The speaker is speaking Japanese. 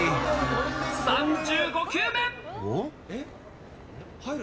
３５球目。